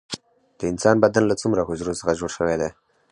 د انسان بدن له څومره حجرو څخه جوړ شوی دی